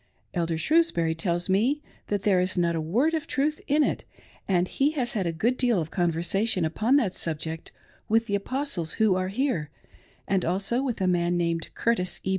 Elder Shrewsbury tells me that there is not a word of truth in it, and he has had a good deal of conversa tion upon that subject with the apostles who are here, and also with a man named Curtis E.